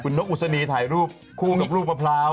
คุณนกอดุษณีย์ถ่ายรูปคู่กับรูปมะพร้าว